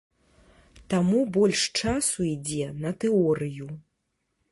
Таму больш часу ідзе на тэорыю.